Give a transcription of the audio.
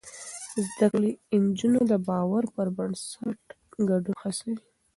زده کړې نجونې د باور پر بنسټ ګډون هڅوي.